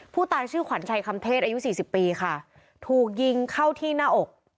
ผู้ตายชื่อขวัญชัยคำเทศอายุสี่สิบปีค่ะถูกยิงเข้าที่หน้าอก